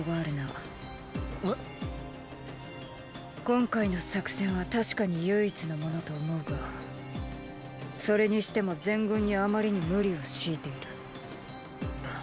今回の作戦は確かに唯一のものと思うがそれにしても全軍にあまりに無理を強いている。